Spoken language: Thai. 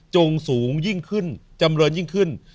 จงสูงยิ่งขึ้นจำเรินยิ่งขึ้น